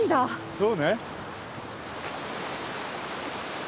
そうね。